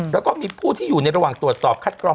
แล้วก็มีผู้ที่อยู่ในระหว่างตรวจสอบคัดกรอง